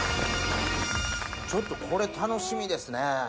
ちょっとこれ楽しみですね。